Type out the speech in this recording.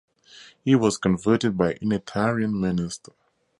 He was converted by a Unitarian minister.